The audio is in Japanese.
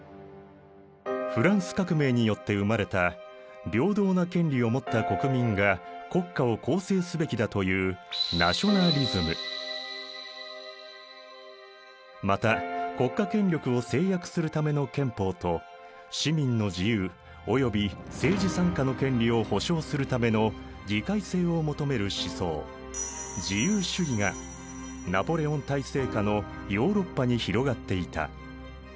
フランス革命によって生まれた平等な権利を持った国民が国家を構成すべきだというまた国家権力を制約するための憲法と市民の自由および政治参加の権利を保障するための議会制を求める思想自由主義がナポレオン体制下のヨーロッパに広がっていた。